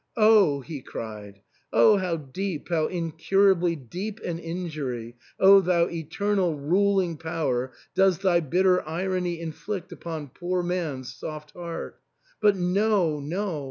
" Oh !" he cried, " Oh ! how deep, how incurably deep an injury, O thou eternal ruling Power, does thy bitter irony inflict upon poor man's soft heart ! But no, no